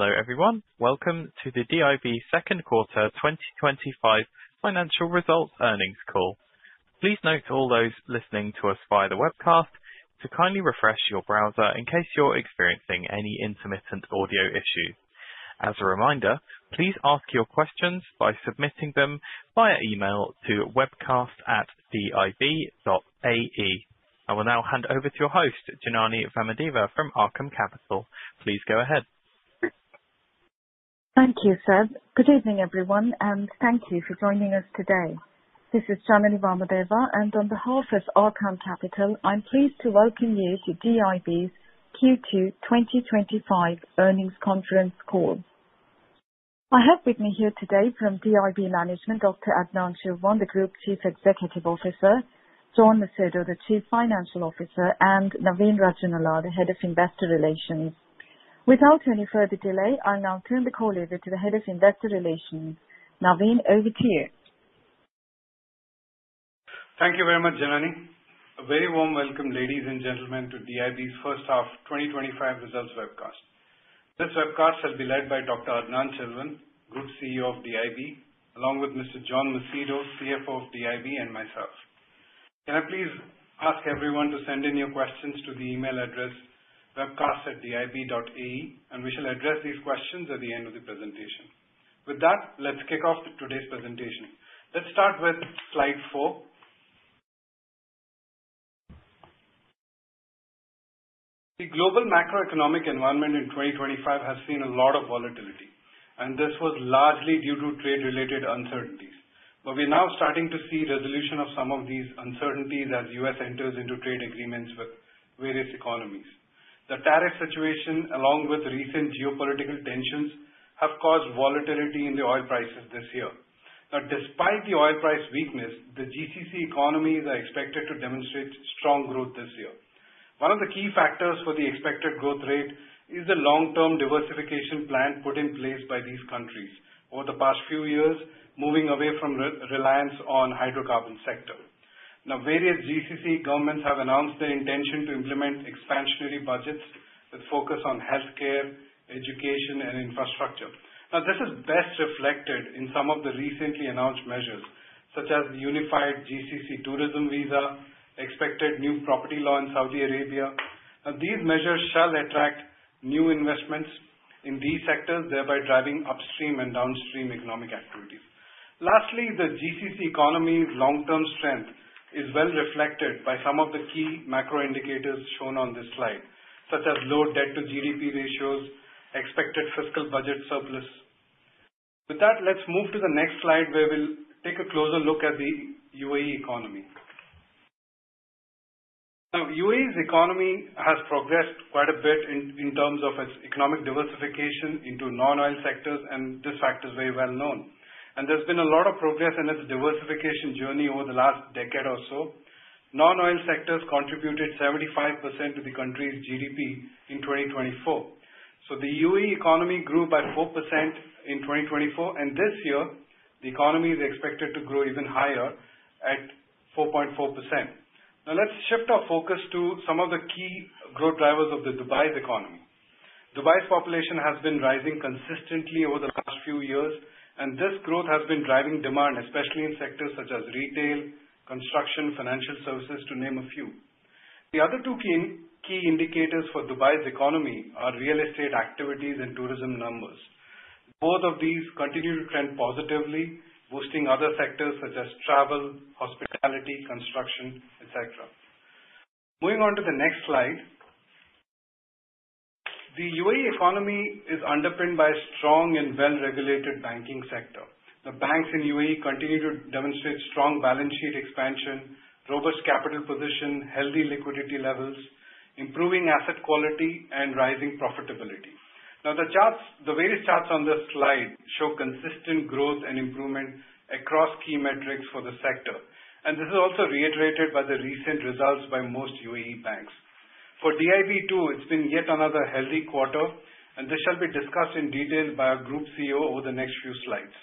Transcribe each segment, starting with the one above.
Hello, everyone. Welcome to the DIB second quarter 2025 financial results earnings call. Please note all those listening to us via the webcast to kindly refresh your browser in case you're experiencing any intermittent audio issues. As a reminder, please ask your questions by submitting them via email to webcast@dib.ai. I will now hand over to your host, Janany Vamadeva, from Arqaam Capital. Please go ahead. Thank you, sir. Good evening, everyone, and thank you for joining us today. This is Janany Vamadeva, and on behalf of Arqaam Capital, I'm pleased to welcome you to DIB's Q2 2025 earnings conference call. I have with me here today from DIB Management, Dr. Adnan Chilwan, the Group Chief Executive Officer, John Macedo, the Chief Financial Officer, and Naveen Raja, the Head of Investor Relations. Without any further delay, I'll now turn the call over to the Head of Investor Relations. Naveen, over to you. Thank you very much, Janany. A very warm welcome, ladies and gentlemen, to DIB's first half 2025 results webcast. This webcast shall be led by Dr. Adnan Chilwan, Group CEO of DIB, along with Mr. John Macedo, CFO of DIB, and myself. Can I please ask everyone to send in your questions to the email address webcast@dib.ai, and we shall address these questions at the end of the presentation. With that, let's kick off today's presentation. Let's start with slide four. The global macroeconomic environment in 2025 has seen a lot of volatility, and this was largely due to trade-related uncertainties. But we're now starting to see resolution of some of these uncertainties as the U.S. enters into trade agreements with various economies. The tariff situation, along with recent geopolitical tensions, have caused volatility in the oil prices this year. Now, despite the oil price weakness, the GCC economies are expected to demonstrate strong growth this year. One of the key factors for the expected growth rate is the long-term diversification plan put in place by these countries over the past few years, moving away from reliance on the hydrocarbon sector. Now, various GCC governments have announced their intention to implement expansionary budgets with a focus on healthcare, education, and infrastructure. Now, this is best reflected in some of the recently announced measures, such as the Unified GCC Tourism Visa, expected new property law in Saudi Arabia. Now, these measures shall attract new investments in these sectors, thereby driving upstream and downstream economic activities. Lastly, the GCC economy's long-term strength is well reflected by some of the key macro indicators shown on this slide, such as low debt-to-GDP ratios and expected fiscal budget surplus. With that, let's move to the next slide, where we'll take a closer look at the UAE economy. Now, the UAE's economy has progressed quite a bit in terms of its economic diversification into non-oil sectors, and this fact is very well known, and there's been a lot of progress in its diversification journey over the last decade or so. Non-oil sectors contributed 75% to the country's GDP in 2024, so the UAE economy grew by 4% in 2024, and this year, the economy is expected to grow even higher at 4.4%. Now, let's shift our focus to some of the key growth drivers of Dubai's economy. Dubai's population has been rising consistently over the last few years, and this growth has been driving demand, especially in sectors such as retail, construction, and financial services, to name a few. The other two key indicators for Dubai's economy are real estate activities and tourism numbers. Both of these continue to trend positively, boosting other sectors such as travel, hospitality, construction, etc. Moving on to the next slide. The UAE economy is underpinned by a strong and well-regulated banking sector. The banks in the UAE continue to demonstrate strong balance sheet expansion, robust capital position, healthy liquidity levels, improving asset quality, and rising profitability. Now, the charts, the various charts on this slide, show consistent growth and improvement across key metrics for the sector, and this is also reiterated by the recent results by most UAE banks. For DIB too, it's been yet another healthy quarter, and this shall be discussed in detail by our Group CEO over the next few slides.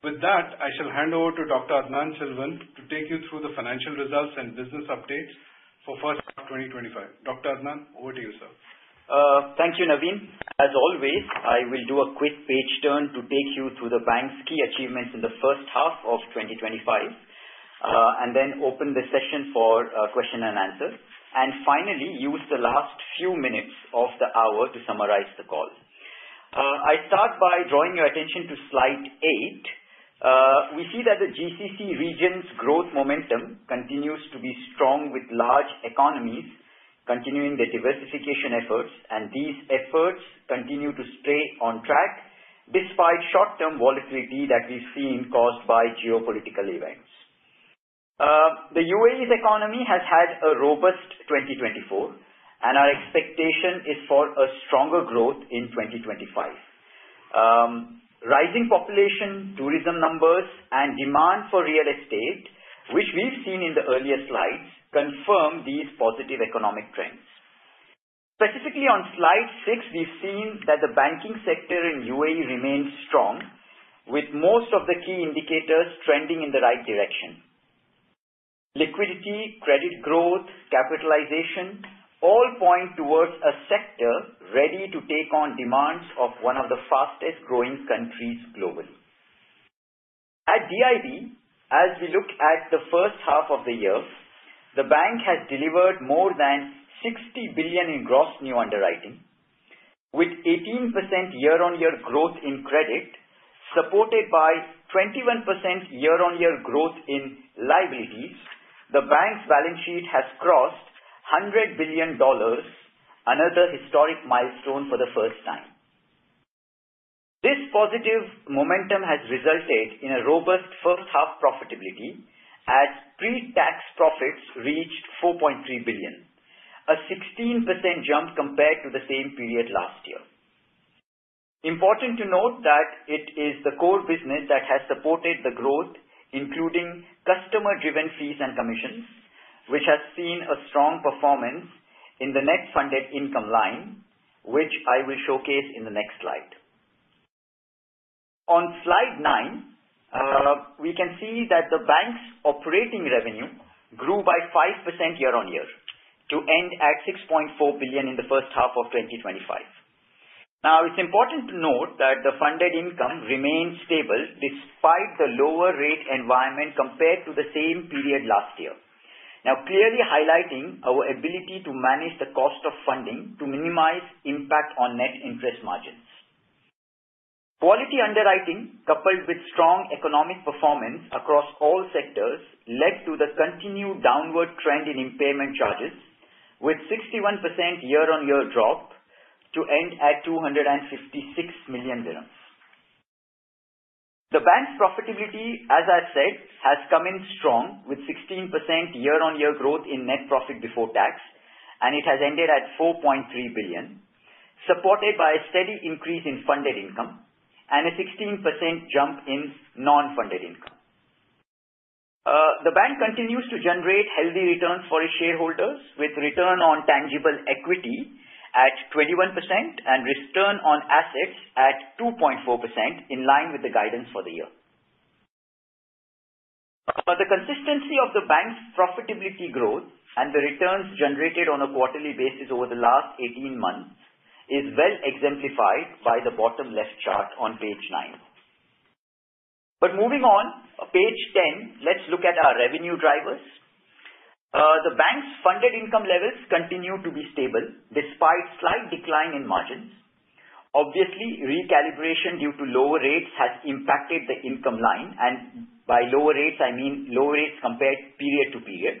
With that, I shall hand over to Dr. Adnan Chilwan to take you through the financial results and business updates for the first half of 2025. Dr. Adnan, over to you, sir. Thank you, Naveen. As always, I will do a quick page turn to take you through the bank's key achievements in the first half of 2025, and then open the session for a question and answer, and finally use the last few minutes of the hour to summarize the call. I start by drawing your attention to slide eight. We see that the GCC region's growth momentum continues to be strong, with large economies continuing their diversification efforts, and these efforts continue to stay on track despite short-term volatility that we've seen caused by geopolitical events. The UAE's economy has had a robust 2024, and our expectation is for a stronger growth in 2025. Rising population, tourism numbers, and demand for real estate, which we've seen in the earlier slides, confirm these positive economic trends. Specifically, on slide six, we've seen that the banking sector in the UAE remains strong, with most of the key indicators trending in the right direction. Liquidity, credit growth, capitalization all point towards a sector ready to take on demands of one of the fastest-growing countries globally. At DIB, as we look at the first half of the year, the bank has delivered more than $60 billion in gross new underwriting, with 18% year-on-year growth in credit, supported by 21% year-on-year growth in liabilities. The bank's balance sheet has crossed $100 billion, another historic milestone for the first time. This positive momentum has resulted in a robust first-half profitability, as pre-tax profits reached $4.3 billion, a 16% jump compared to the same period last year. Important to note that it is the core business that has supported the growth, including customer-driven fees and commissions, which has seen a strong performance in the net funded income line, which I will showcase in the next slide. On slide nine, we can see that the bank's operating revenue grew by 5% year-on-year to end at $6.4 billion in the first half of 2025. Now, it's important to note that the funded income remained stable despite the lower rate environment compared to the same period last year, now clearly highlighting our ability to manage the cost of funding to minimize impact on net interest margins. Quality underwriting, coupled with strong economic performance across all sectors, led to the continued downward trend in impairment charges, with a 61% year-on-year drop to end at $256 million. The bank's profitability, as I said, has come in strong, with a 16% year-on-year growth in net profit before tax, and it has ended at $4.3 billion, supported by a steady increase in funded income and a 16% jump in non-funded income. The bank continues to generate healthy returns for its shareholders, with return on tangible equity at 21% and return on assets at 2.4%, in line with the guidance for the year. The consistency of the bank's profitability growth and the returns generated on a quarterly basis over the last 18 months is well exemplified by the bottom-left chart on page nine. But moving on, page 10, let's look at our revenue drivers. The bank's funded income levels continue to be stable despite a slight decline in margins. Obviously, recalibration due to lower rates has impacted the income line, and by lower rates, I mean lower rates compared period to period.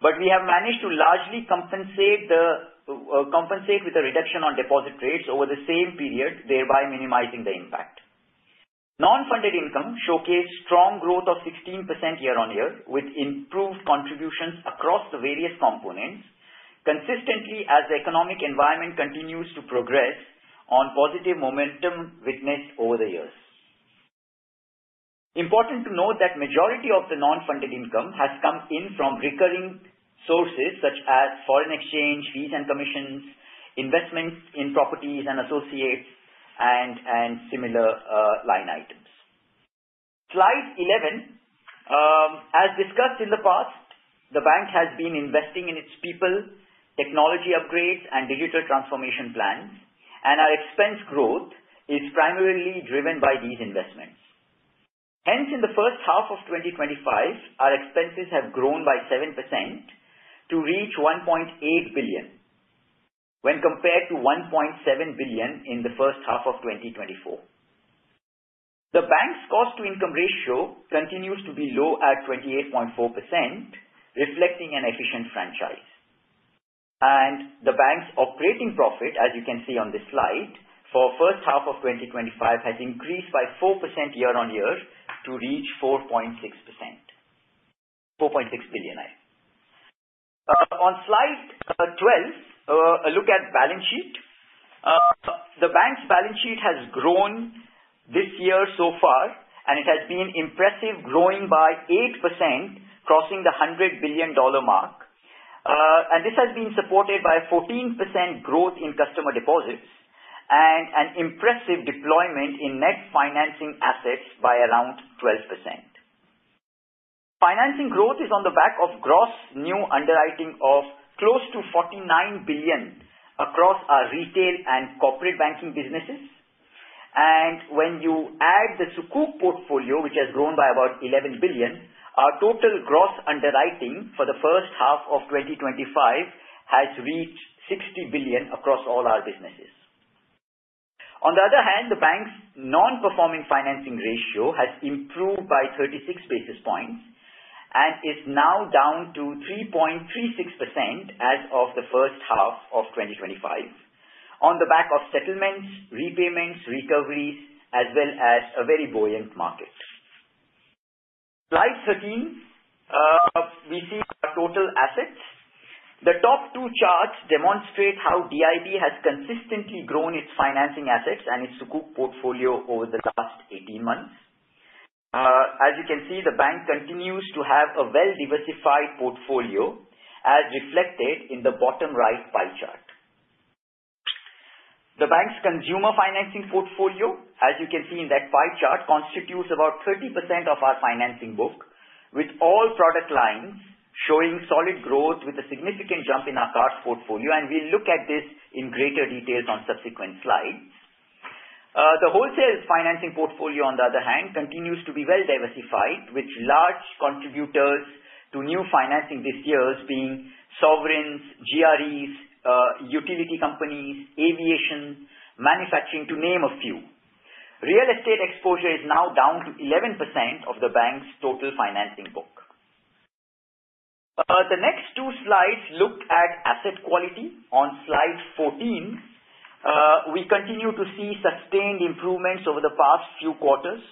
But we have managed to largely compensate with a reduction in deposit rates over the same period, thereby minimizing the impact. Non-Funded Income showcased strong growth of 16% year-on-year, with improved contributions across the various components, consistently as the economic environment continues to progress on positive momentum witnessed over the years. Important to note that the majority of the Non-Funded Income has come in from recurring sources such as foreign exchange fees and commissions, investments in properties and associates, and similar line items. Slide 11. As discussed in the past, the bank has been investing in its people, technology upgrades, and digital transformation plans, and our expense growth is primarily driven by these investments. Hence, in the first half of 2025, our expenses have grown by 7% to reach $1.8 billion, when compared to $1.7 billion in the first half of 2024. The bank's cost-to-income ratio continues to be low at 28.4%, reflecting an efficient franchise. The bank's operating profit, as you can see on this slide, for the first half of 2025 has increased by 4% year-on-year to reach $4.6 billion. On slide 12, a look at the balance sheet. The bank's balance sheet has grown this year so far, and it has been impressive, growing by 8%, crossing the $100 billion mark. This has been supported by a 14% growth in customer deposits and an impressive deployment in net financing assets by around 12%. Financing growth is on the back of gross new underwriting of close to $49 billion across our retail and corporate banking businesses. And when you add the Sukuk portfolio, which has grown by about $11 billion, our total gross underwriting for the first half of 2025 has reached $60 billion across all our businesses. On the other hand, the bank's non-performing financing ratio has improved by 36 basis points and is now down to 3.36% as of the first half of 2025, on the back of settlements, repayments, recoveries, as well as a very buoyant market. Slide 13. We see our total assets. The top two charts demonstrate how DIB has consistently grown its financing assets and its Sukuk portfolio over the last 18 months. As you can see, the bank continues to have a well-diversified portfolio, as reflected in the bottom-right pie chart. The bank's consumer financing portfolio, as you can see in that pie chart, constitutes about 30% of our financing book, with all product lines showing solid growth, with a significant jump in our cards portfolio, and we'll look at this in greater detail on subsequent slides. The wholesale financing portfolio, on the other hand, continues to be well-diversified, with large contributors to new financing this year being sovereigns, GREs, utility companies, aviation, manufacturing, to name a few. Real estate exposure is now down to 11% of the bank's total financing book. The next two slides look at asset quality. On slide 14, we continue to see sustained improvements over the past few quarters,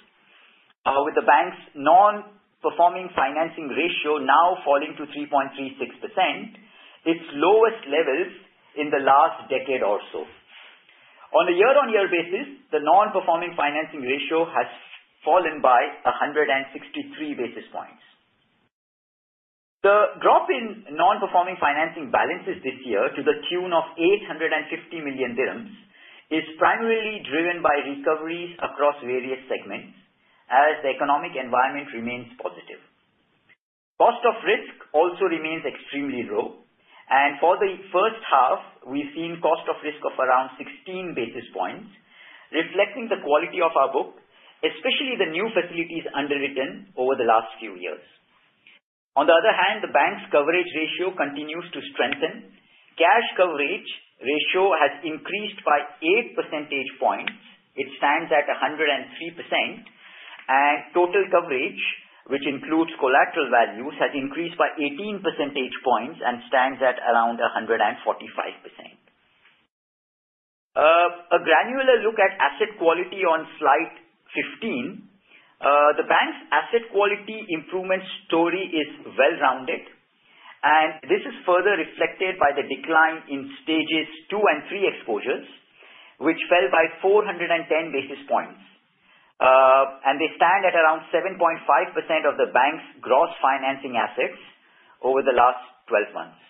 with the bank's non-performing financing ratio now falling to 3.36%, its lowest levels in the last decade or so. On a year-on-year basis, the non-performing financing ratio has fallen by 163 basis points. The drop in non-performing financing balances this year to the tune of $850 million is primarily driven by recoveries across various segments, as the economic environment remains positive. Cost of risk also remains extremely low, and for the first half, we've seen a cost of risk of around 16 basis points, reflecting the quality of our book, especially the new facilities underwritten over the last few years. On the other hand, the bank's coverage ratio continues to strengthen. Cash coverage ratio has increased by 8 percentage points. It stands at 103%, and total coverage, which includes collateral values, has increased by 18 percentage points and stands at around 145%. A granular look at asset quality on slide 15. The bank's asset quality improvement story is well-rounded, and this is further reflected by the decline in Stage 2 and Stage 3 exposures, which fell by 410 basis points. They stand at around 7.5% of the bank's gross financing assets over the last 12 months.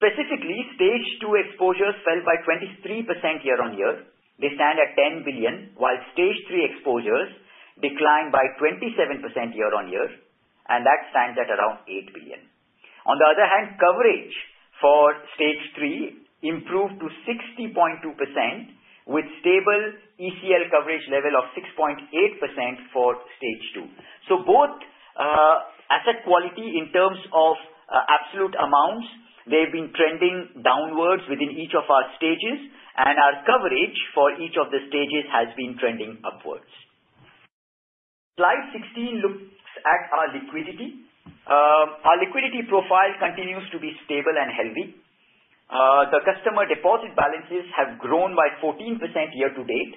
Specifically, Stage 2 exposures fell by 23% year-on-year. They stand at $10 billion, while Stage 3 exposures declined by 27% year-on-year, and that stands at around $8 billion. On the other hand, coverage for Stage 3 improved to 60.2%, with a stable ECL coverage level of 6.8% for Stage 2. Both asset quality in terms of absolute amounts, they've been trending downwards within each of our stages, and our coverage for each of the stages has been trending upwards. Slide 16 looks at our liquidity. Our liquidity profile continues to be stable and healthy. The customer deposit balances have grown by 14% year-to-date,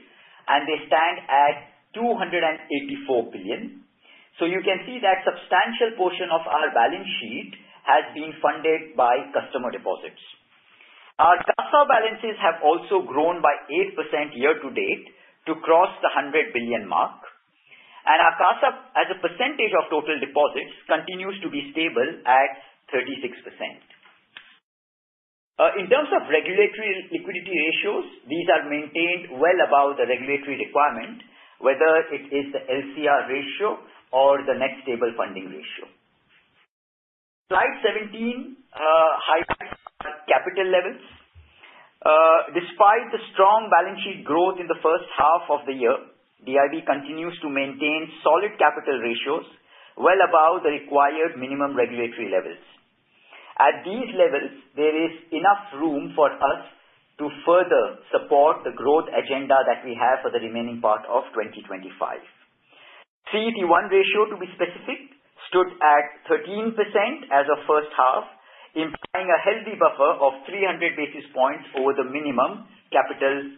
and they stand at $284 billion. You can see that a substantial portion of our balance sheet has been funded by customer deposits. Our CASA balances have also grown by 8% year-to-date to cross the $100 billion mark, and our CASA as a percentage of total deposits continues to be stable at 36%. In terms of regulatory liquidity ratios, these are maintained well above the regulatory requirement, whether it is the LCR ratio or the net stable funding ratio. Slide 17 highlights our capital levels. Despite the strong balance sheet growth in the first half of the year, DIB continues to maintain solid capital ratios well above the required minimum regulatory levels. At these levels, there is enough room for us to further support the growth agenda that we have for the remaining part of 2025. CET1 ratio, to be specific, stood at 13% as of the first half, implying a healthy buffer of 300 basis points over the minimum capital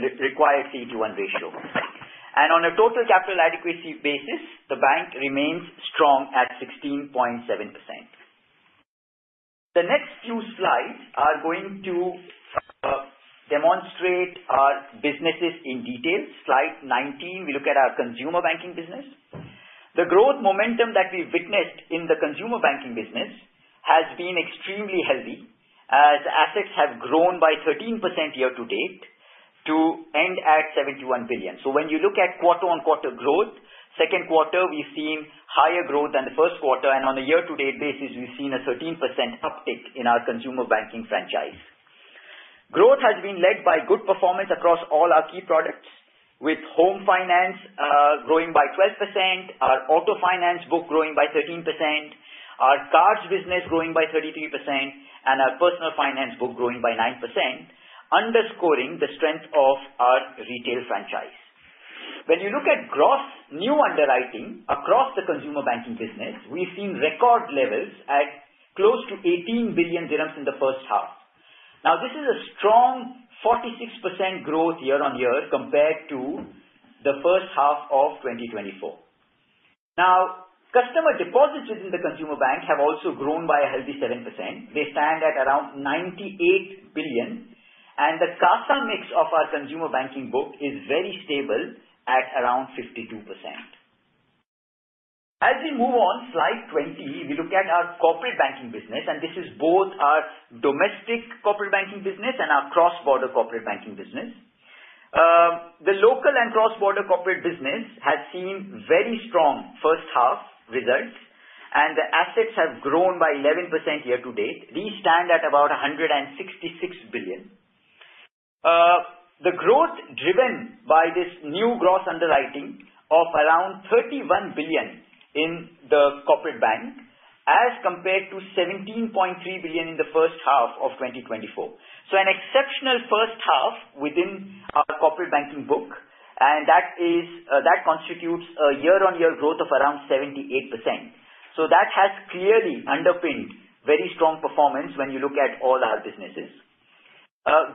required CET1 ratio. On a total capital adequacy basis, the bank remains strong at 16.7%. The next few slides are going to demonstrate our businesses in detail. Slide 19, we look at our consumer banking business. The growth momentum that we witnessed in the consumer banking business has been extremely healthy, as assets have grown by 13% year-to-date to end at $71 billion. When you look at quarter-on-quarter growth, second quarter, we've seen higher growth than the first quarter. On a year-to-date basis, we've seen a 13% uptick in our consumer banking franchise. Growth has been led by good performance across all our key products, with home finance growing by 12%, our auto finance book growing by 13%, our cards business growing by 33%, and our personal finance book growing by 9%, underscoring the strength of our retail franchise. When you look at gross new underwriting across the consumer banking business, we've seen record levels at close to $18 billion in the first half. Now, this is a strong 46% growth year-on-year compared to the first half of 2024. Now, customer deposits within the consumer bank have also grown by a healthy 7%. They stand at around $98 billion. And the CASA mix of our consumer banking book is very stable at around 52%. As we move on, slide 20, we look at our corporate banking business. And this is both our domestic corporate banking business and our cross-border corporate banking business. The local and cross-border corporate business has seen very strong first-half results, and the assets have grown by 11% year-to-date. These stand at about $166 billion. The growth driven by this new gross underwriting of around $31 billion in the corporate bank as compared to $17.3 billion in the first half of 2024, so an exceptional first half within our corporate banking book, and that constitutes a year-on-year growth of around 78%, so that has clearly underpinned very strong performance when you look at all our businesses.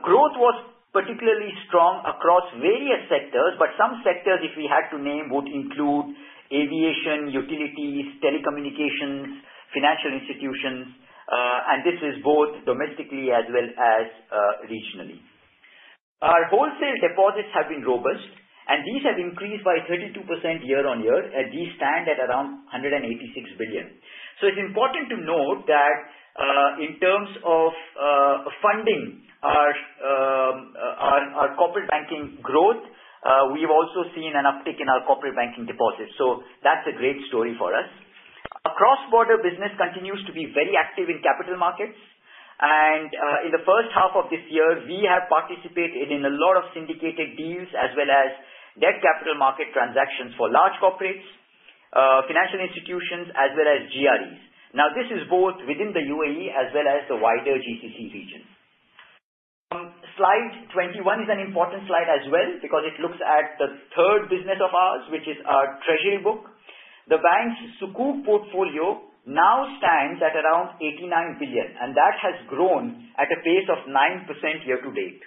Growth was particularly strong across various sectors, but some sectors, if we had to name, would include aviation, utilities, telecommunications, financial institutions, and this is both domestically as well as regionally. Our wholesale deposits have been robust, and these have increased by 32% year-on-year, and these stand at around $186 billion, so it's important to note that in terms of funding our corporate banking growth, we've also seen an uptick in our corporate banking deposits, so that's a great story for us. Our cross-border business continues to be very active in capital markets. In the first half of this year, we have participated in a lot of syndicated deals as well as net capital market transactions for large corporates, financial institutions, as well as GREs. Now, this is both within the UAE as well as the wider GCC region. Slide 21 is an important slide as well because it looks at the third business of ours, which is our treasury book. The bank's sukuk portfolio now stands at around $89 billion, and that has grown at a pace of 9% year-to-date.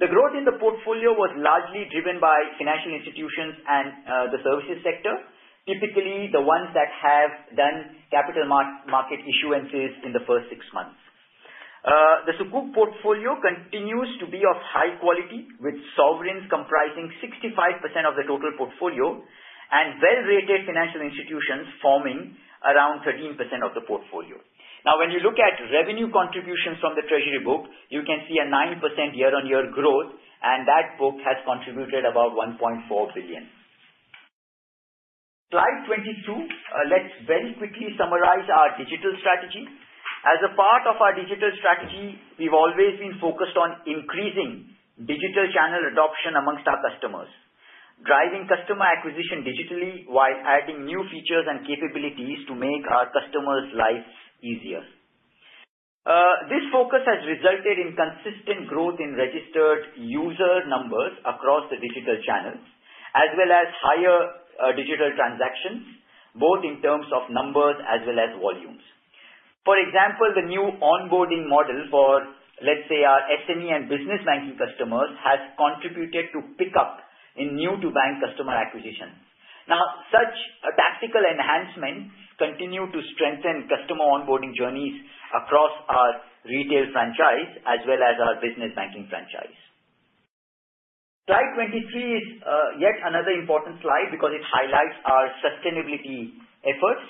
The growth in the portfolio was largely driven by financial institutions and the services sector, typically the ones that have done capital market issuances in the first six months. The Sukuk portfolio continues to be of high quality, with sovereigns comprising 65% of the total portfolio and well-rated financial institutions forming around 13% of the portfolio. Now, when you look at revenue contributions from the treasury book, you can see a 9% year-on-year growth, and that book has contributed about $1.4 billion. Slide 22 let's very quickly summarize our digital strategy. As a part of our digital strategy, we've always been focused on increasing digital channel adoption among our customers, driving customer acquisition digitally while adding new features and capabilities to make our customers' lives easier. This focus has resulted in consistent growth in registered user numbers across the digital channels, as well as higher digital transactions, both in terms of numbers as well as volumes. For example, the new onboarding model for, let's say, our SME and business banking customers has contributed to pickup in new-to-bank customer acquisition. Now, such tactical enhancements continue to strengthen customer onboarding journeys across our retail franchise as well as our business banking franchise. Slide 23 is yet another important slide because it highlights our sustainability efforts.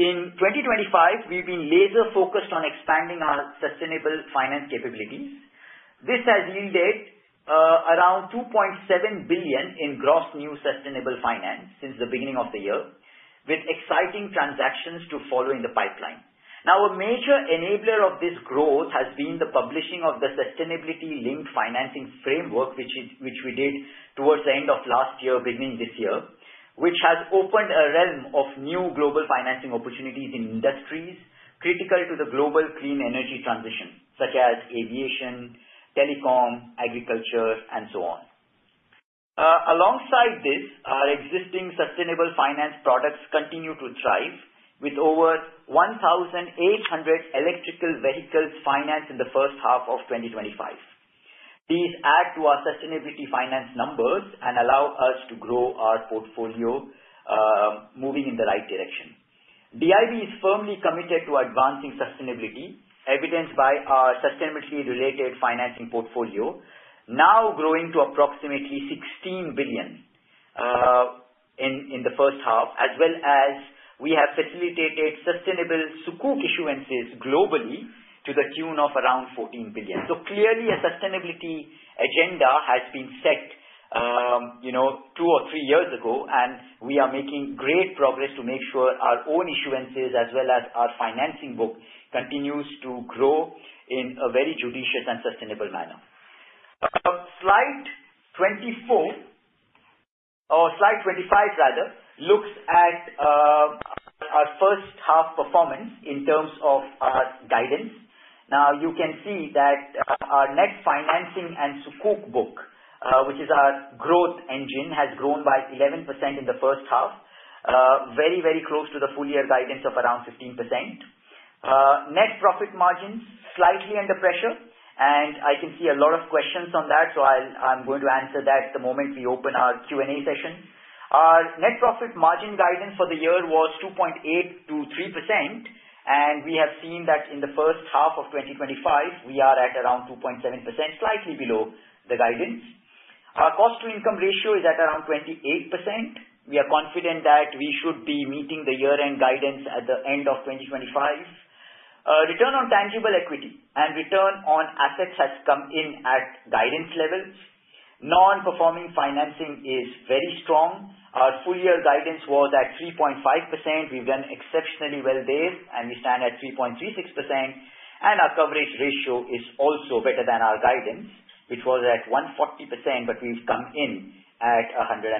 In 2025, we've been laser-focused on expanding our sustainable finance capabilities. This has yielded around $2.7 billion in gross new sustainable finance since the beginning of the year, with exciting transactions to follow in the pipeline. Now, a major enabler of this growth has been the publishing of the Sustainability-Linked Financing Framework, which we did towards the end of last year, beginning this year, which has opened a realm of new global financing opportunities in industries critical to the global clean energy transition, such as aviation, telecom, agriculture, and so on. Alongside this, our existing sustainable finance products continue to thrive, with over 1,800 electric vehicles financed in the first half of 2025. These add to our sustainability finance numbers and allow us to grow our portfolio, moving in the right direction. DIB is firmly committed to advancing sustainability, evidenced by our sustainability-related financing portfolio, now growing to approximately $16 billion in the first half, as well as we have facilitated sustainable sukuk issuances globally to the tune of around $14 billion. So clearly, a sustainability agenda has been set two or three years ago, and we are making great progress to make sure our own issuances as well as our financing book continues to grow in a very judicious and sustainable manner. Slide 24, or slide 25 rather, looks at our first-half performance in terms of our guidance. Now, you can see that our net financing and sukuk book, which is our growth engine, has grown by 11% in the first half, very, very close to the full-year guidance of around 15%. Net profit margins slightly under pressure, and I can see a lot of questions on that, so I'm going to answer that the moment we open our Q&A session. Our net profit margin guidance for the year was 2.8 to 3%, and we have seen that in the first half of 2025, we are at around 2.7%, slightly below the guidance. Our cost-to-income ratio is at around 28%. We are confident that we should be meeting the year-end guidance at the end of 2025. Return on tangible equity and return on assets has come in at guidance levels. Non-performing financing is very strong. Our full-year guidance was at 3.5%. We've done exceptionally well there, and we stand at 3.36%. And our coverage ratio is also better than our guidance, which was at 140%, but we've come in at 145%.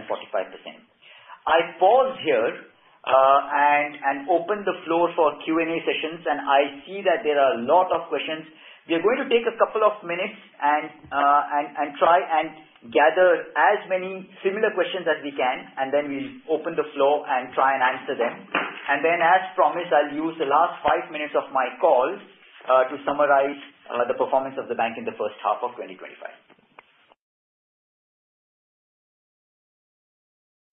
I pause here and open the floor for Q&A sessions, and I see that there are a lot of questions. We are going to take a couple of minutes and try and gather as many similar questions as we can, and then we'll open the floor and try and answer them, and then, as promised, I'll use the last five minutes of my call to summarize the performance of the bank in the first half of 2025.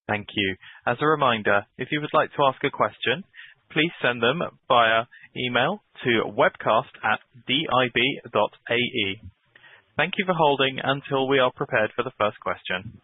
Thank you. As a reminder, if you would like to ask a question, please send them via email to webcast@dib.ai. Thank you for holding until we are prepared for the first question.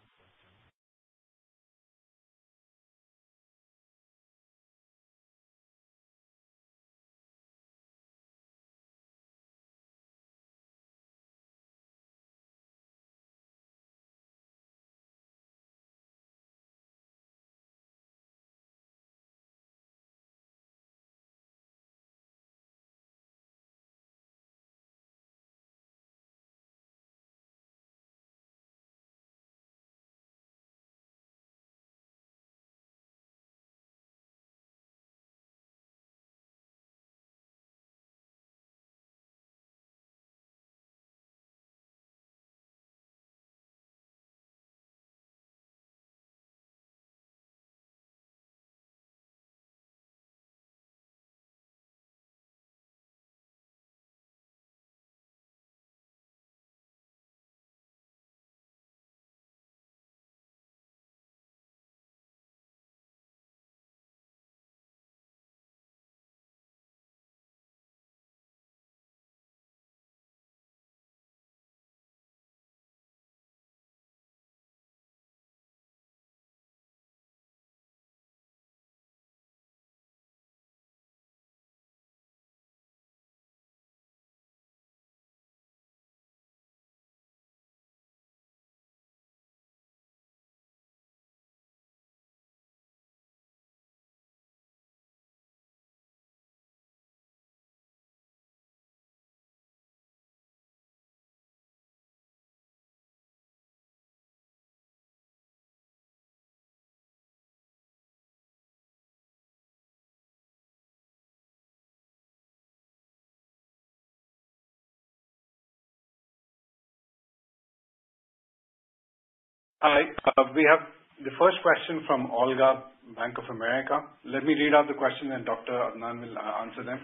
Hi. We have the first question from Olga, Bank of America. Let me read out the question, and Dr. Adnan will answer them.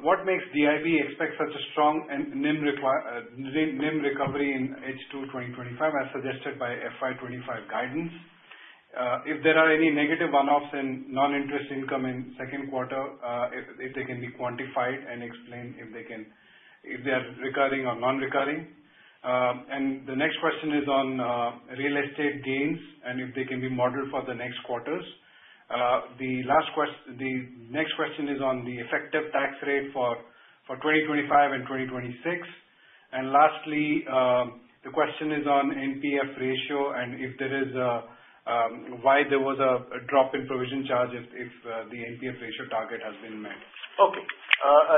What makes DIB expect such a strong and NIM recovery in H2 2025, as suggested by FY25 guidance? If there are any negative one-offs in non-interest income in second quarter, if they can be quantified and explain if they are recurring or non-recurring. And the next question is on real estate gains and if they can be modeled for the next quarters. The next question is on the effective tax rate for 2025 and 2026. And lastly, the question is on NPF ratio and why there was a drop in provision charge if the NPF ratio target has been met. Okay.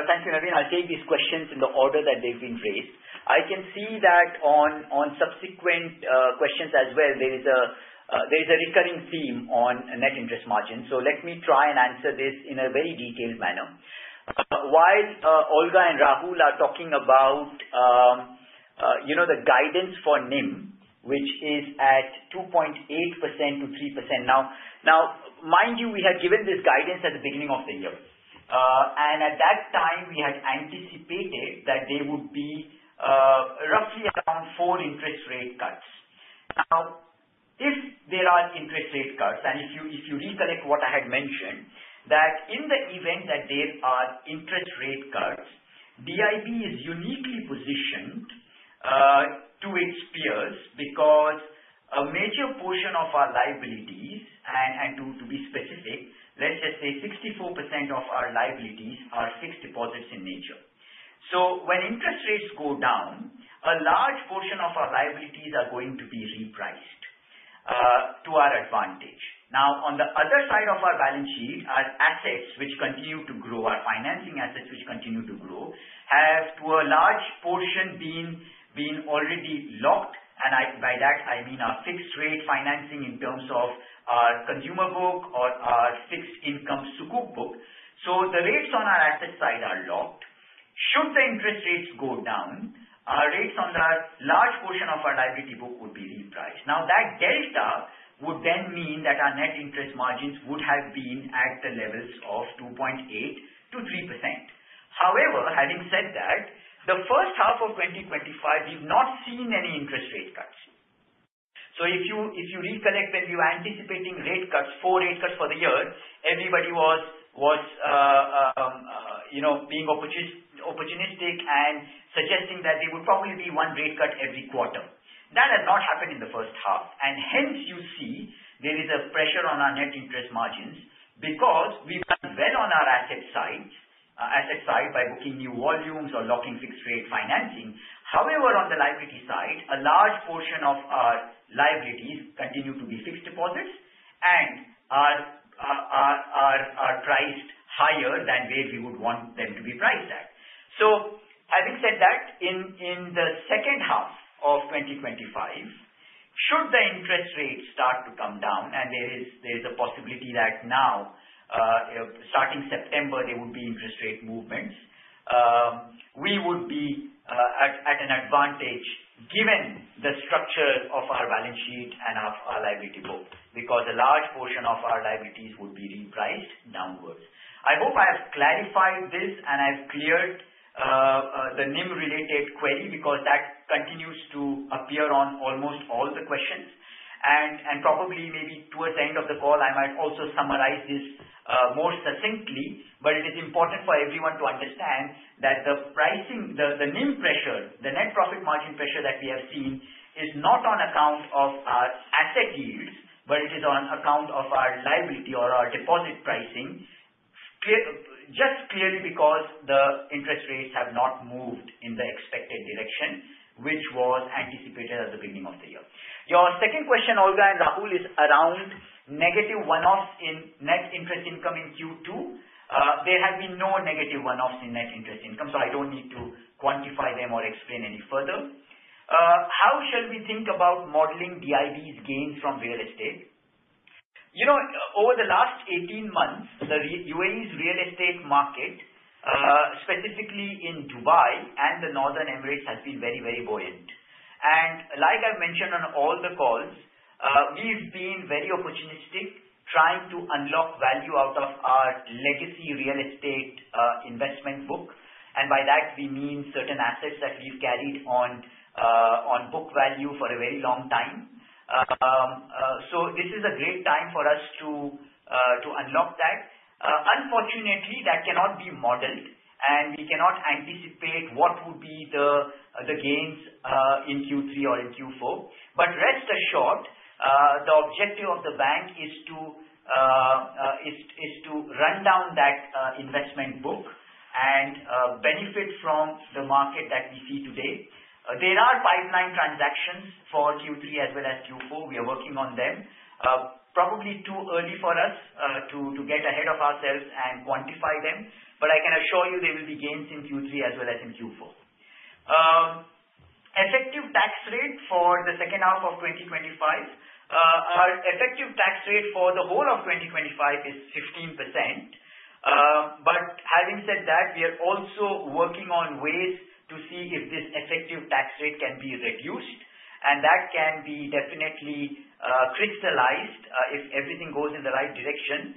Thank you, Naveen. I'll take these questions in the order that they've been raised. I can see that on subsequent questions as well, there is a recurring theme on net interest margin. So let me try and answer this in a very detailed manner. While Olga and Rahul are talking about the guidance for NIM, which is at 2.8%-3% now, mind you, we had given this guidance at the beginning of the year. And at that time, we had anticipated that there would be roughly around four interest rate cuts. Now, if there are interest rate cuts, and if you recollect what I had mentioned, that in the event that there are interest rate cuts, DIB is uniquely positioned to its peers because a major portion of our liabilities, and to be specific, let's just say 64% of our liabilities are fixed deposits in nature. When interest rates go down, a large portion of our liabilities are going to be repriced to our advantage. Now, on the other side of our balance sheet, our assets, which continue to grow, our financing assets, which continue to grow, have to a large portion been already locked. By that, I mean our fixed-rate financing in terms of our consumer book or our fixed-income sukuk book. The rates on our asset side are locked. Should the interest rates go down, our rates on that large portion of our liability book would be repriced. Now, that delta would then mean that our net interest margins would have been at the levels of 2.8%-3%. However, having said that, the first half of 2025, we've not seen any interest rate cuts. So if you recollect when we were anticipating rate cuts, four rate cuts for the year, everybody was being opportunistic and suggesting that there would probably be one rate cut every quarter. That has not happened in the first half. And hence, you see there is a pressure on our net interest margins because we've done well on our asset side by booking new volumes or locking fixed-rate financing. However, on the liability side, a large portion of our liabilities continue to be fixed deposits and are priced higher than where we would want them to be priced at. So having said that, in the second half of 2025, should the interest rate start to come down, and there is a possibility that now, starting September, there would be interest rate movements, we would be at an advantage given the structure of our balance sheet and of our liability book because a large portion of our liabilities would be repriced downwards. I hope I have clarified this and I've cleared the NIM-related query because that continues to appear on almost all the questions. Probably maybe towards the end of the call, I might also summarize this more succinctly, but it is important for everyone to understand that the NIM pressure, the net profit margin pressure that we have seen, is not on account of our asset yields, but it is on account of our liability or our deposit pricing, just clearly because the interest rates have not moved in the expected direction, which was anticipated at the beginning of the year. Your second question, Olga and Rahul, is around negative one-offs in net interest income in Q2. There have been no negative one-offs in net interest income, so I don't need to quantify them or explain any further. How shall we think about modeling DIB's gains from real estate? Over the last 18 months, the UAE's real estate market, specifically in Dubai and the Northern Emirates, has been very, very buoyant. And like I've mentioned on all the calls, we've been very opportunistic trying to unlock value out of our legacy real estate investment book. And by that, we mean certain assets that we've carried on book value for a very long time. So this is a great time for us to unlock that. Unfortunately, that cannot be modeled, and we cannot anticipate what would be the gains in Q3 or in Q4. But rest assured, the objective of the bank is to run down that investment book and benefit from the market that we see today. There are pipeline transactions for Q3 as well as Q4. We are working on them. Probably too early for us to get ahead of ourselves and quantify them, but I can assure you there will be gains in Q3 as well as in Q4. Effective tax rate for the second half of 2025, our effective tax rate for the whole of 2025 is 15%. But having said that, we are also working on ways to see if this effective tax rate can be reduced, and that can be definitely crystallized if everything goes in the right direction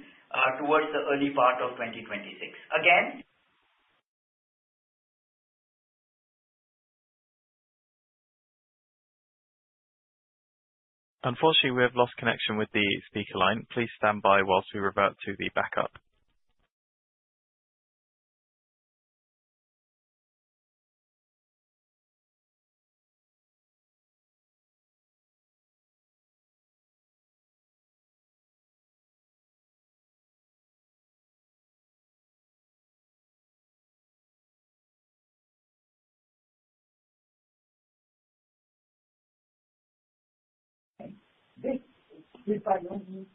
towards the early part of 2026. Again. Unfortunately, we have lost connection with the speaker line. Please stand by whilst we revert to the backup. Okay. This is probably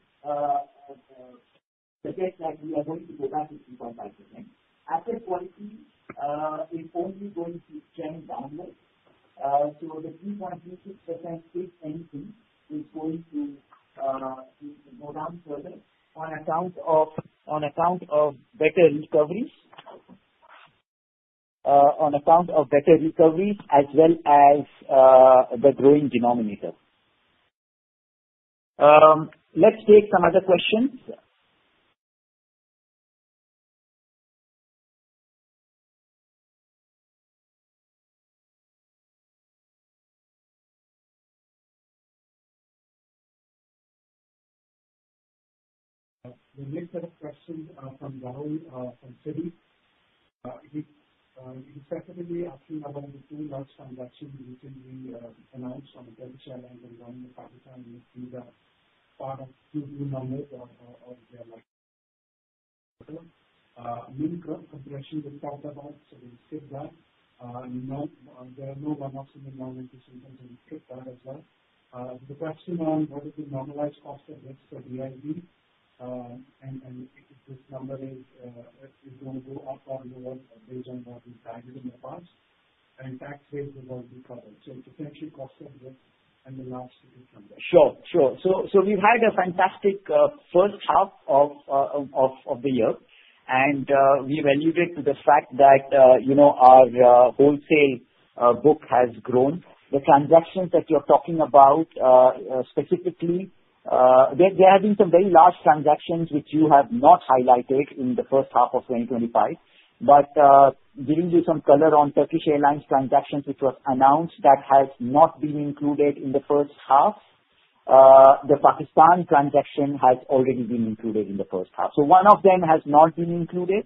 the rate that we are going to go back to 3.5%. Asset quality is only going to trend downward, so the 3.36%, if anything, is going to go down further on account of better recoveries as well as the growing denominator. Let's take some other questions. The next set of questions are from Rahul from Citi. He's separately asking about the two large transactions which will be announced in the third quarter and then the Pakistan and India part of Q2 numbers or the like. NIM complexion we've talked about, so we'll skip that. There are no one-offs in the non-interest income, so we'll skip that as well. The question on what is the normalized cost of risk for DIB, and if this number is going to go up or down based on what we've guided in the past, and tax rates will be covered. So potential cost of risk and the large ticket number. Sure. Sure. We've had a fantastic first half of the year, and we value it to the fact that our wholesale book has grown. The transactions that you're talking about, specifically, there have been some very large transactions which you have not highlighted in the first half of 2025. But giving you some color on Turkish Airlines transactions which were announced that have not been included in the first half, the Pakistan transaction has already been included in the first half. So one of them has not been included,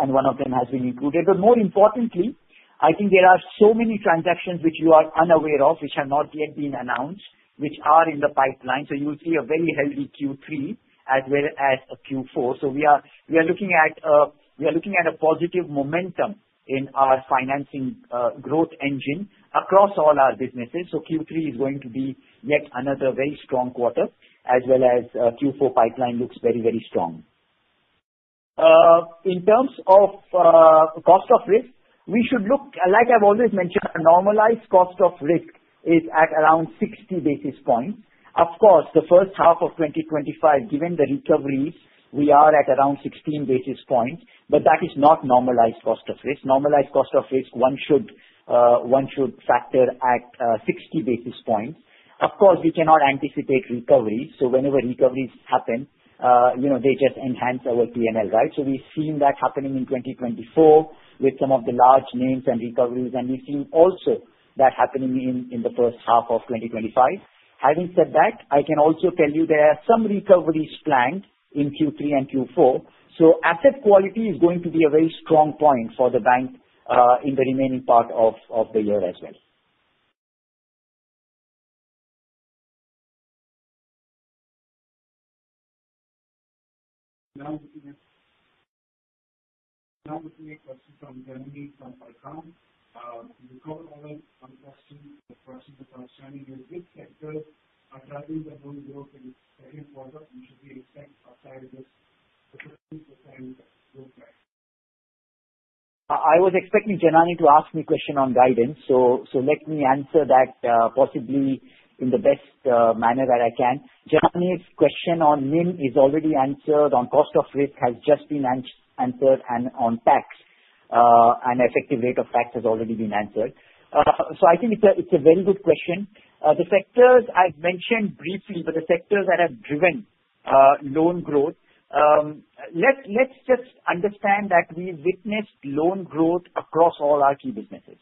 and one of them has been included. But more importantly, I think there are so many transactions which you are unaware of, which have not yet been announced, which are in the pipeline. So you'll see a very healthy Q3 as well as a Q4. We are looking at a positive momentum in our financing growth engine across all our businesses. So Q3 is going to be yet another very strong quarter, as well as Q4 pipeline looks very, very strong. In terms of cost of risk, we should look, like I've always mentioned, a normalized cost of risk is at around 60 basis points. Of course, the first half of 2025, given the recoveries, we are at around 16 basis points, but that is not normalized cost of risk. Normalized cost of risk, one should factor at 60 basis points. Of course, we cannot anticipate recoveries. So whenever recoveries happen, they just enhance our P&L, right? So we've seen that happening in 2024 with some of the large names and recoveries, and we've seen also that happening in the first half of 2025. Having said that, I can also tell you there are some recoveries planned in Q3 and Q4. So asset quality is going to be a very strong point for the bank in the remaining part of the year as well. Now, looking at questions from Naveen from Arqaam Capital. We covered all but some questions. The questions that are remaining are, which sectors are driving the growth in the second quarter, and should we expect outside of this 15% growth rate? I was expecting Janany to ask me a question on guidance, so let me answer that possibly in the best manner that I can. Janany's question on NIM is already answered. On cost of risk has just been answered, and on tax, an effective rate of tax has already been answered, so I think it's a very good question. The sectors I've mentioned briefly, but the sectors that have driven loan growth, let's just understand that we've witnessed loan growth across all our key businesses,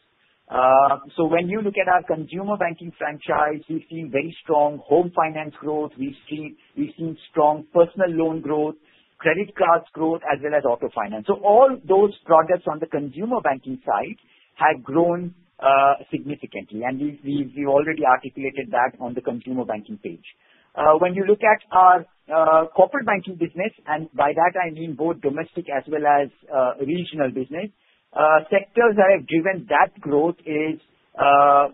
so when you look at our consumer banking franchise, we've seen very strong home finance growth. We've seen strong personal loan growth, credit cards growth, as well as auto finance, so all those products on the consumer banking side have grown significantly, and we've already articulated that on the consumer banking page. When you look at our corporate banking business, and by that, I mean both domestic as well as regional business, sectors that have driven that growth are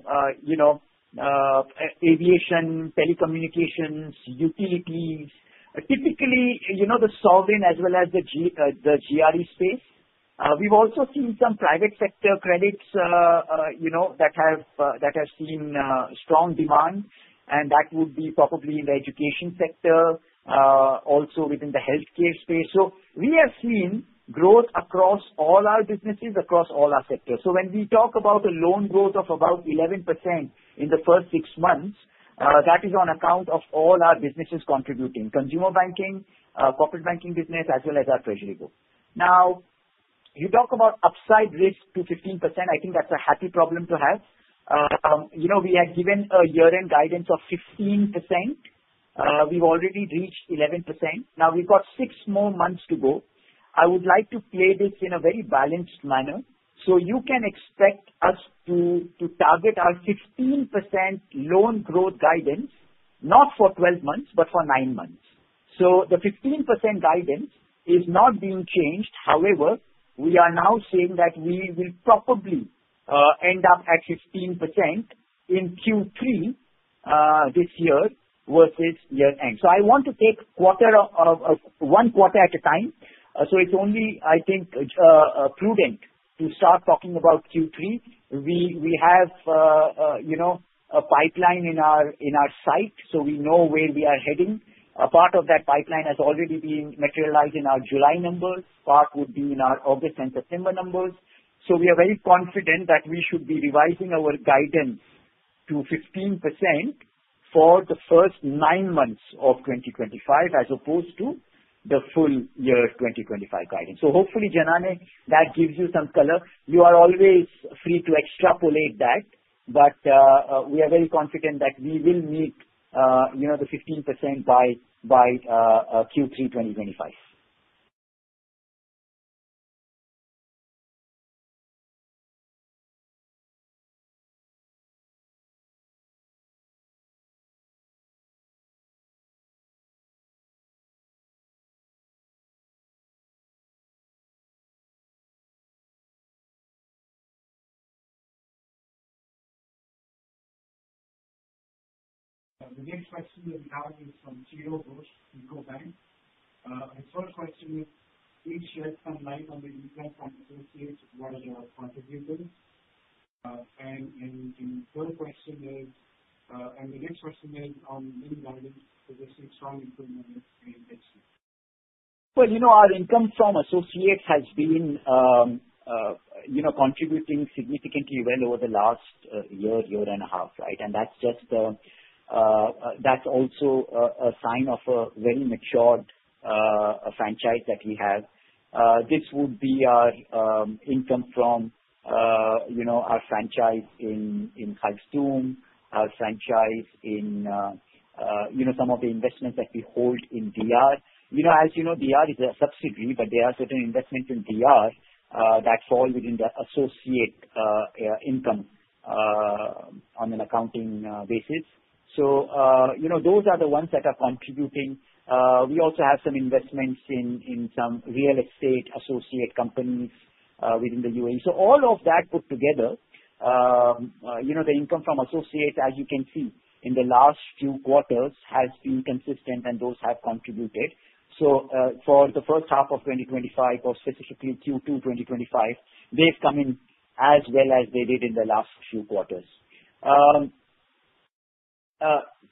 aviation, telecommunications, utilities, typically the sovereign as well as the GREs space. We've also seen some private sector credits that have seen strong demand, and that would be probably in the education sector, also within the healthcare space. So we have seen growth across all our businesses, across all our sectors. So when we talk about a loan growth of about 11% in the first six months, that is on account of all our businesses contributing: consumer banking, corporate banking business, as well as our treasury book. Now, you talk about upside risk to 15%, I think that's a happy problem to have. We have given a year-end guidance of 15%. We've already reached 11%. Now, we've got six more months to go. I would like to play this in a very balanced manner. So you can expect us to target our 15% loan growth guidance, not for 12 months, but for nine months. So the 15% guidance is not being changed. However, we are now saying that we will probably end up at 15% in Q3 this year versus year-end. So I want to take one quarter at a time. So it's only, I think, prudent to start talking about Q3. We have a pipeline in our sight, so we know where we are heading. A part of that pipeline has already been materialized in our July numbers. Part would be in our August and September numbers. So we are very confident that we should be revising our guidance to 15% for the first nine months of 2025 as opposed to the full year 2025 guidance. So hopefully, Janany, that gives you some color. You are always free to extrapolate that, but we are very confident that we will meet the 15% by Q3 2025. The next question is now from Chiro Ghosh, SICO Bank. His first question is, please shed some light on the impact on associates while they are contributing. And the third question is, and the next question is on NIM guidance, which has seen strong improvement in H2. Our income from associates has been contributing significantly well over the last year, year and a half, right? And that's also a sign of a very matured franchise that we have. This would be our income from our franchise in Khartoum, our franchise in some of the investments that we hold in Deyaar. As you know, Deyaar is a subsidiary, but there are certain investments in Deyaar that fall within the associate income on an accounting basis. So those are the ones that are contributing. We also have some investments in some real estate associate companies within the UAE. So all of that put together, the income from associates, as you can see in the last few quarters, has been consistent, and those have contributed. So for the first half of 2025, or specifically Q2 2025, they've come in as well as they did in the last few quarters.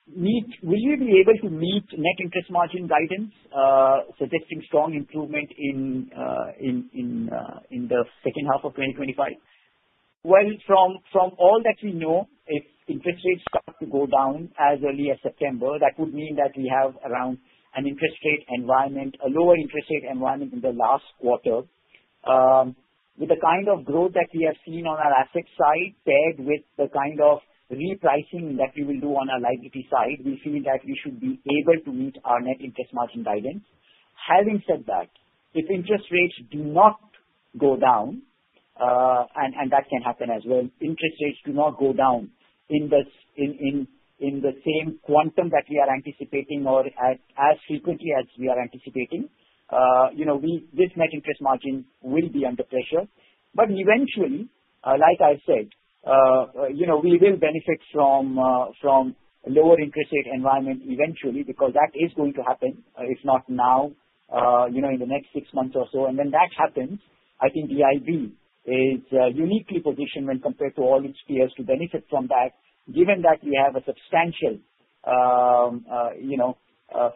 Will we be able to meet net interest margin guidance, suggesting strong improvement in the second half of 2025? From all that we know, if interest rates start to go down as early as September, that would mean that we have around an interest rate environment, a lower interest rate environment in the last quarter. With the kind of growth that we have seen on our asset side, paired with the kind of repricing that we will do on our liability side, we feel that we should be able to meet our net interest margin guidance. Having said that, if interest rates do not go down, and that can happen as well, interest rates do not go down in the same quantum that we are anticipating or as frequently as we are anticipating, this net interest margin will be under pressure. But eventually, like I said, we will benefit from a lower interest rate environment eventually because that is going to happen, if not now, in the next six months or so. And when that happens, I think DIB is uniquely positioned when compared to all its peers to benefit from that, given that we have a substantial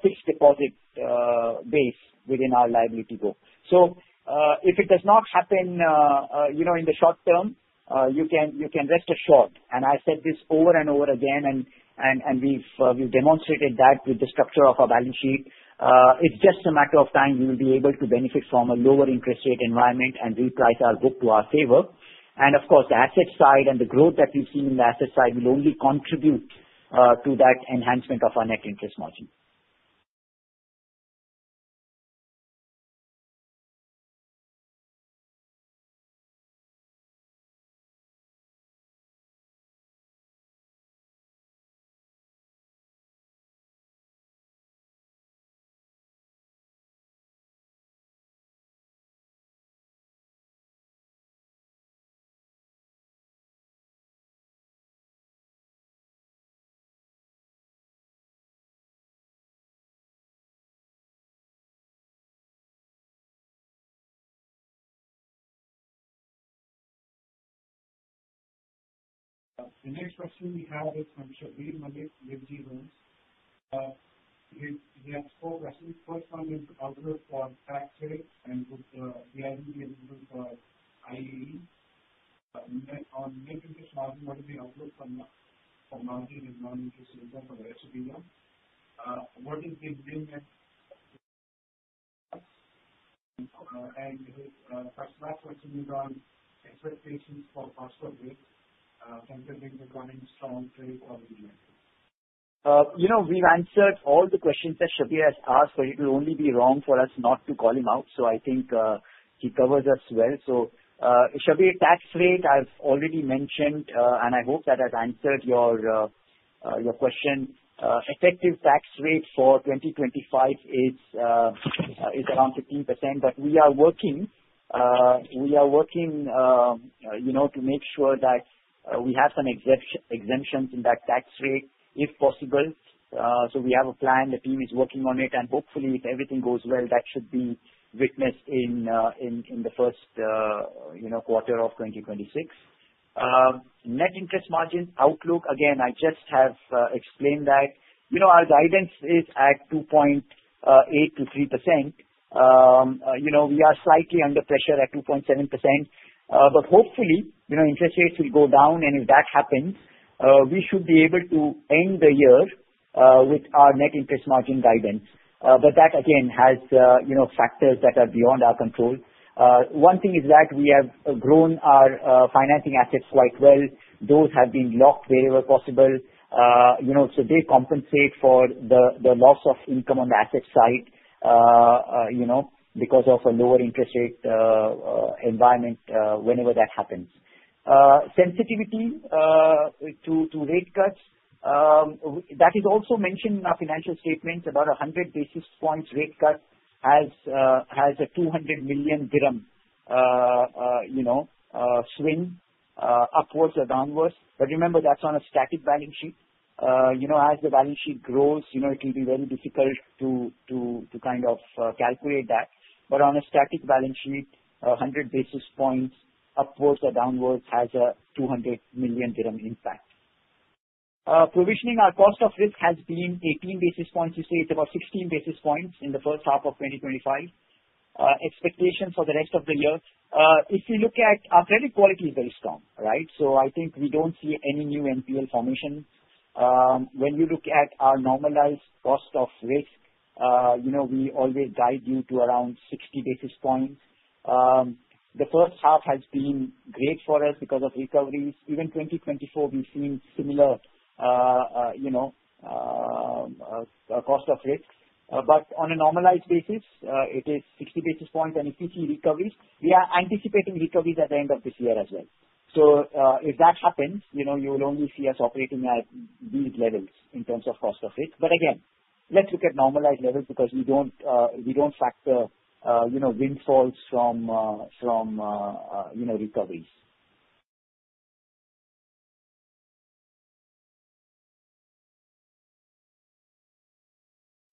fixed deposit base within our liability book. So if it does not happen in the short term, you can rest assured. And I've said this over and over again, and we've demonstrated that with the structure of our balance sheet. It's just a matter of time we will be able to benefit from a lower interest rate environment and reprice our book to our favor. And of course, the asset side and the growth that we've seen in the asset side will only contribute to that enhancement of our net interest margin. The next question we have is from Shabbir Malik with EFG Hermes. He has four questions. First one is outlook for tax rates and would DIB be eligible for IAE? On net interest margin, what is the outlook for margin and non-interest income for the rest of the year? What is the NIM and his last question is on expectations for cost of risk considering the growing strong trade quality index? We've answered all the questions that Shabbir has asked, so it will only be wrong for us not to call him out. So I think he covers us well. So Shabbir, tax rate, I've already mentioned, and I hope that I've answered your question. Effective tax rate for 2025 is around 15%, but we are working to make sure that we have some exemptions in that tax rate if possible. So we have a plan. The team is working on it, and hopefully, if everything goes well, that should be witnessed in the first quarter of 2026. Net interest margin outlook, again, I just have explained that our guidance is at 2.8%-3%. We are slightly under pressure at 2.7%, but hopefully, interest rates will go down, and if that happens, we should be able to end the year with our net interest margin guidance. But that, again, has factors that are beyond our control. One thing is that we have grown our financing assets quite well. Those have been locked wherever possible, so they compensate for the loss of income on the asset side because of a lower interest rate environment whenever that happens. Sensitivity to rate cuts, that is also mentioned in our financial statements, about 100 basis points rate cut has a 200 million dirham swing upwards or downwards. But remember, that's on a static balance sheet. As the balance sheet grows, it will be very difficult to kind of calculate that. But on a static balance sheet, 100 basis points upwards or downwards has a 200 million dirham impact. Provisioning, our cost of risk has been 18 basis points. You see, it's about 16 basis points in the first half of 2025. Expectations for the rest of the year, if you look at our credit quality, is very strong, right? So I think we don't see any new NPL formation. When you look at our normalized cost of risk, we always guide you to around 60 basis points. The first half has been great for us because of recoveries. Even 2024, we've seen similar cost of risk. But on a normalized basis, it is 60 basis points, and if we see recoveries, we are anticipating recoveries at the end of this year as well. So if that happens, you will only see us operating at these levels in terms of cost of risk. But again, let's look at normalized levels because we don't factor windfalls from recoveries.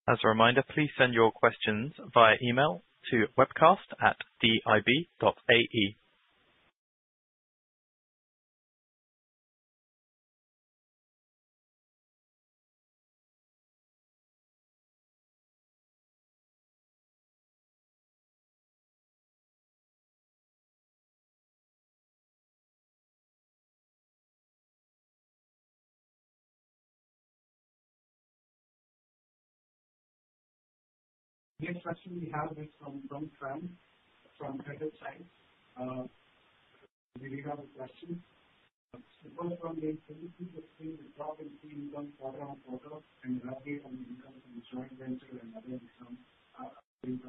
As a reminder, please send your questions via email to webcast@dib.ai. Next question we have is from Dong Tran from CreditSights. We have a question. The first one is, can you see the drop in net income quarter on quarter and the update on the income from joint venture and other income in 2025?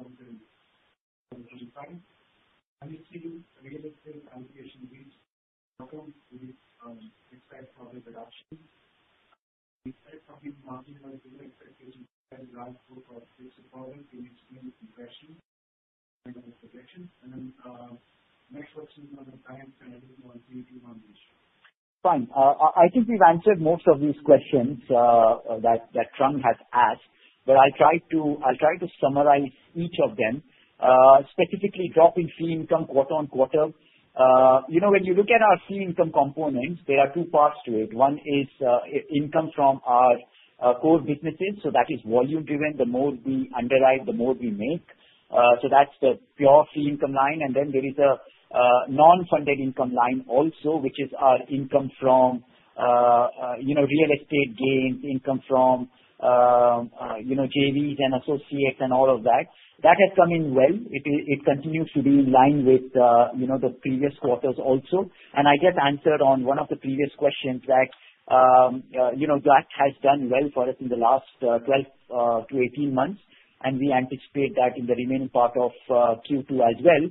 Anything real estate allocation reached outcomes with expected profit reduction? Besides talking margin-wise, what are expectations besides the last four or six quarters in its net comparison and projections? And then next question is on the client's credit on CET1 ratio. Fine. I think we've answered most of these questions that Tran has asked, but I'll try to summarize each of them, specifically drop in Funded Income quarter on quarter. When you look at our Funded Income components, there are two parts to it. One is income from our core businesses. So that is volume-driven. The more we underwrite, the more we make. So that's the pure Funded Income line. And then there is a non-funded income line also, which is our income from real estate gains, income from JVs and associates and all of that. That has come in well. It continues to be in line with the previous quarters also. I just answered on one of the previous questions that that has done well for us in the last 12-18 months, and we anticipate that in the remaining part of Q2 as well,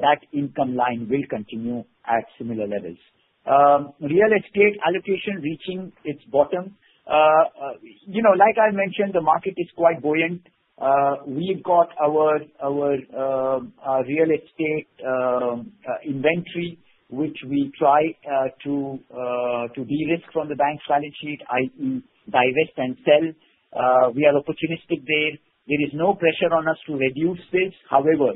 that income line will continue at similar levels. Real estate allocation reaching its bottom. Like I mentioned, the market is quite buoyant. We've got our real estate inventory, which we try to de-risk from the bank's balance sheet, i.e., divest and sell. We are opportunistic there. There is no pressure on us to reduce this. However,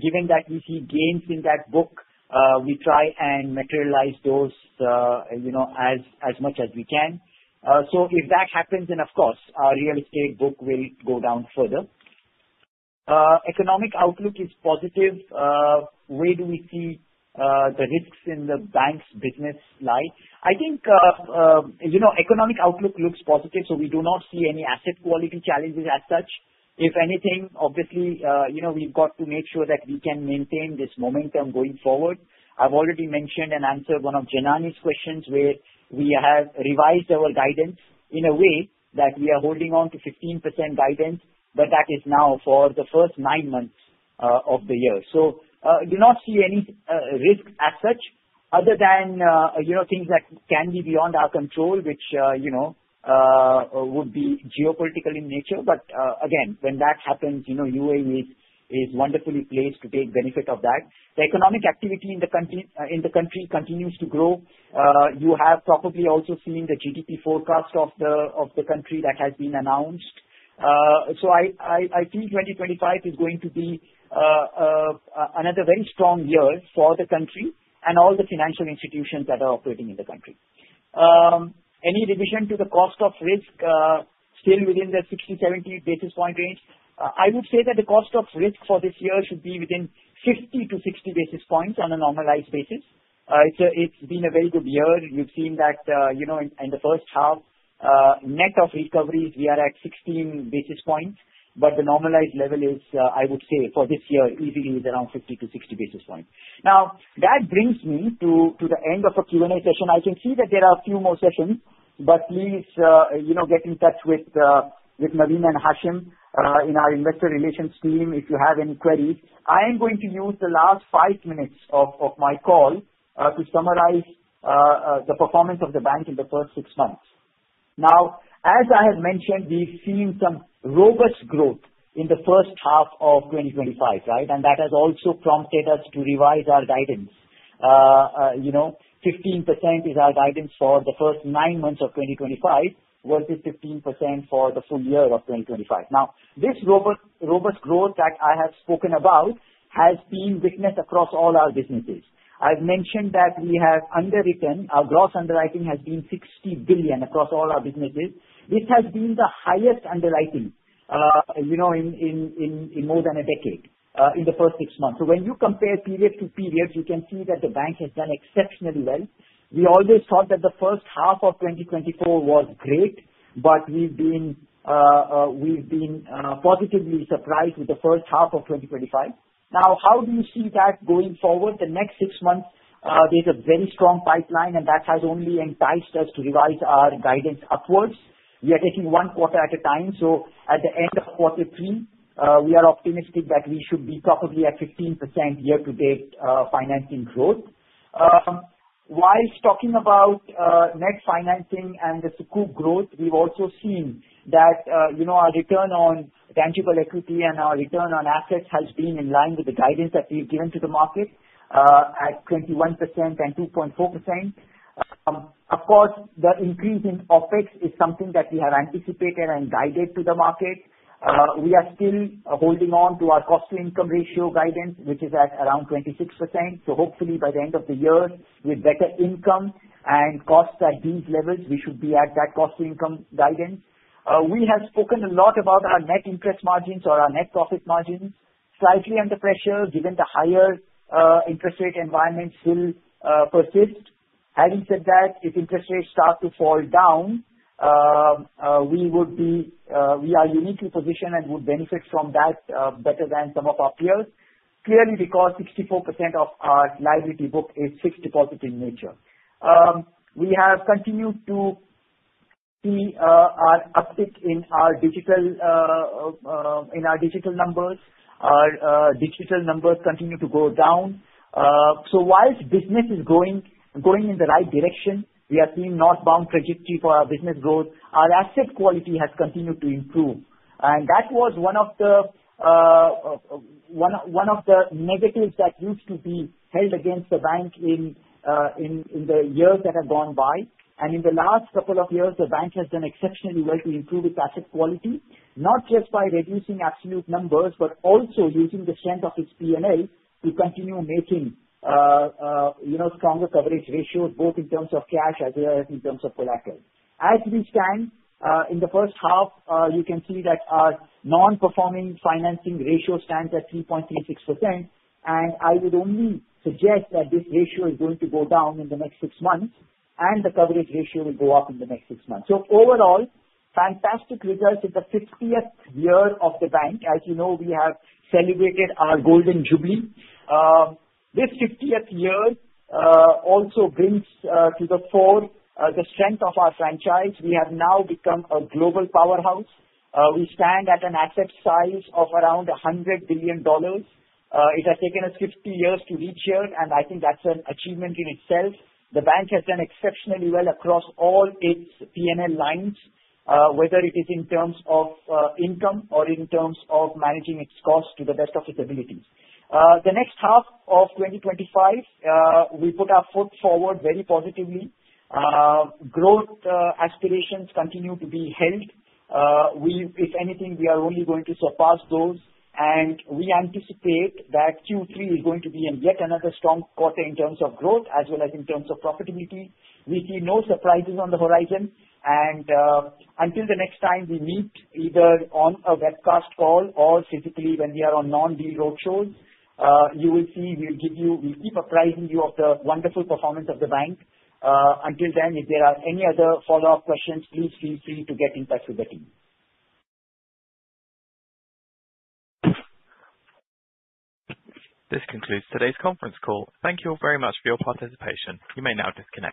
given that we see gains in that book, we try and materialize those as much as we can. So if that happens, then of course, our real estate book will go down further. Economic outlook is positive. Where do we see the risks in the bank's business lie? I think economic outlook looks positive, so we do not see any asset quality challenges as such. If anything, obviously, we've got to make sure that we can maintain this momentum going forward. I've already mentioned and answered one of Janani's questions where we have revised our guidance in a way that we are holding on to 15% guidance, but that is now for the first nine months of the year. So I do not see any risk as such other than things that can be beyond our control, which would be geopolitical in nature. But again, when that happens, UAE is wonderfully placed to take benefit of that. The economic activity in the country continues to grow. You have probably also seen the GDP forecast of the country that has been announced. So I think 2025 is going to be another very strong year for the country and all the financial institutions that are operating in the country. Any revision to the cost of risk? Still within the 60-70 basis point range. I would say that the cost of risk for this year should be within 50 to 60 basis points on a normalized basis. It's been a very good year. You've seen that in the first half, net of recoveries, we are at 16 basis points, but the normalized level is, I would say, for this year, easily is around 50 to 60 basis points. Now, that brings me to the end of a Q&A session. I can see that there are a few more sessions, but please get in touch with Naveen and Hashim in our investor relations team if you have any queries. I am going to use the last five minutes of my call to summarize the performance of the bank in the first six months. Now, as I have mentioned, we've seen some robust growth in the first half of 2025, right? And that has also prompted us to revise our guidance. 15% is our guidance for the first nine months of 2025 versus 15% for the full year of 2025. Now, this robust growth that I have spoken about has been witnessed across all our businesses. I've mentioned that we have underwritten. Our gross underwriting has been 60 billion across all our businesses. This has been the highest underwriting in more than a decade in the first six months. So when you compare period to period, you can see that the bank has done exceptionally well. We always thought that the first half of 2024 was great, but we've been positively surprised with the first half of 2025. Now, how do you see that going forward? The next six months, there's a very strong pipeline, and that has only enticed us to revise our guidance upwards. We are taking one quarter at a time. So at the end of quarter three, we are optimistic that we should be probably at 15% year-to-date financing growth. While talking about net financing and the sukuk growth, we've also seen that our return on tangible equity and our return on assets has been in line with the guidance that we've given to the market at 21% and 2.4%. Of course, the increase in OPEX is something that we have anticipated and guided to the market. We are still holding on to our cost-to-income ratio guidance, which is at around 26%. So hopefully, by the end of the year, with better income and costs at these levels, we should be at that cost-to-income guidance. We have spoken a lot about our net interest margins or our net profit margins. Slightly under pressure, given the higher interest rate environment still persists. Having said that, if interest rates start to fall down, we are uniquely positioned and would benefit from that better than some of our peers. Clearly, because 64% of our liability book is fixed deposit in nature, we have continued to see our uptick in our digital numbers. Our digital numbers continue to go down. So while business is going in the right direction, we have seen northbound trajectory for our business growth. Our asset quality has continued to improve. That was one of the negatives that used to be held against the bank in the years that have gone by. In the last couple of years, the bank has done exceptionally well to improve its asset quality, not just by reducing absolute numbers, but also using the strength of its P&L to continue making stronger coverage ratios, both in terms of cash as well as in terms of collateral. As we stand, in the first half, you can see that our non-performing financing ratio stands at 3.36%. I would only suggest that this ratio is going to go down in the next six months, and the coverage ratio will go up in the next six months. Overall, fantastic results in the 50th year of the bank. As you know, we have celebrated our Golden Jubilee. This 50th year also brings to the fore the strength of our franchise. We have now become a global powerhouse. We stand at an asset size of around $100 billion. It has taken us 50 years to reach here, and I think that's an achievement in itself. The bank has done exceptionally well across all its P&L lines, whether it is in terms of income or in terms of managing its costs to the best of its abilities. The next half of 2025, we put our foot forward very positively. Growth aspirations continue to be held. If anything, we are only going to surpass those. And we anticipate that Q3 is going to be yet another strong quarter in terms of growth as well as in terms of profitability. We see no surprises on the horizon. And until the next time we meet, either on a webcast call or physically when we are on non-deal roadshows, you will see we'll keep apprising you of the wonderful performance of the bank. Until then, if there are any other follow-up questions, please feel free to get in touch with the team. This concludes today's conference call. Thank you all very much for your participation. You may now disconnect.